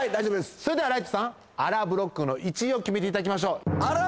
それではライトさんあらブロックの１位を決めていただきましょうあら